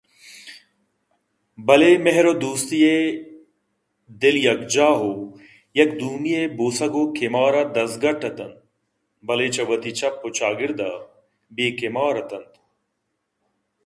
بلئے مہر ءُدوستی ءِدل یکجاہ ءُیکے دومی ءِ بوسگ ءُکمار ءَ دزگٹّ اِت اَنت بلئے چہ وتی چپ ءُچاگرد ءَ بے کما ر نہ اِت اَنت